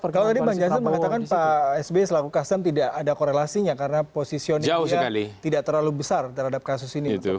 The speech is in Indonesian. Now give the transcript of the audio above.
kalau tadi bang jansen mengatakan pak sbe selaku kasam tidak ada korelasinya karena posisioningnya tidak terlalu besar terhadap kasus ini